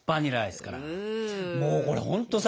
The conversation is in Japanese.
もうこれほんとさ